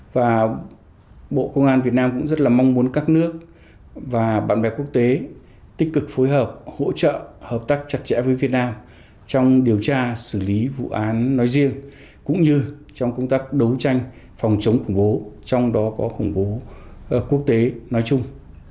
và bộ công an việt nam cũng rất là mong muốn các nước và bạn bè quốc tế tích cực phối hợp hỗ trợ hợp tác chặt chẽ với việt nam trong điều tra xử lý vụ án nói riêng cũng như trong công tác đấu tranh phòng chống khủng bố trong đó có khủng bố quốc tế nói chung